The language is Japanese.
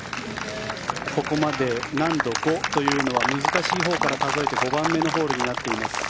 ここまで難度５というのは難しいほうから数えて５番目のホールになっています。